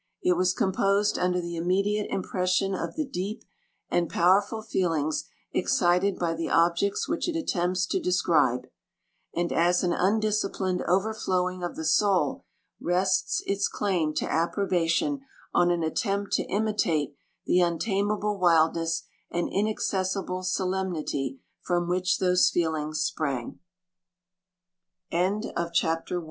It was composed under the immediate impres sion of the deep and powerful feelings excited by the objects which it attempts to describe; and as an undisciplined overflowing of the soul, rests its claim to approbation on an attempt to imitate the un tameable wildness and inaccessi ble solemnity from which those feelings sp